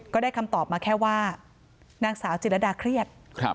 ก็ได้คำตอบมาแค่ว่านางสาวจิรดาเครียด